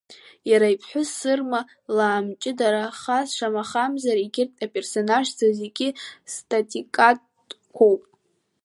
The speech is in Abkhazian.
Иара иԥҳәыс Сырма лаамҷыдарахаз, шамахамзар, егьырҭ аперсонажцәа зегьы статикатәқәоуп.